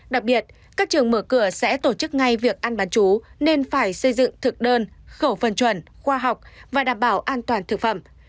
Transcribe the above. đặc biệt các trường mở cửa sẽ tổ chức ngay việc ăn bán chú nên phải xây dựng thực đơn khẩu phần chuẩn khoa học và đảm bảo an toàn thực phẩm